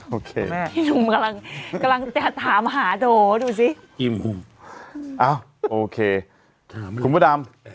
โอเคแม่หนุ่มกำลังกำลังถามหาโถดูสิอ้าวโอเคคุณผู้ดำ